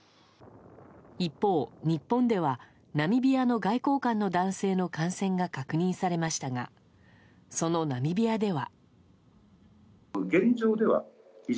一方、日本ではナミビアの外交官の男性の感染が確認されましたがそのナミビアでは。